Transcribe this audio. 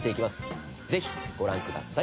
ぜひご覧ください。